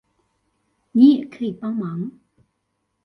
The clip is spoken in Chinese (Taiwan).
你也可以幫忙